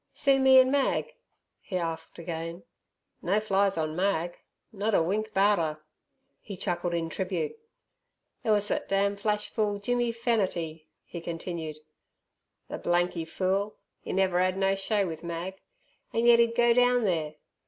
"See me an' Mag?" he asked again. "No flies on Mag; not a wink 'bout 'er!" He chuckled in tribute. "Ther wus thet damned flash fool, Jimmy Fernatty," he continued " ther blanky fool; 'e never 'ad no show with Mag. An' yet 'e'd go down there!